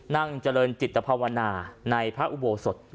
นั่งเจริญจิตภาวนาในพระอุโบสถ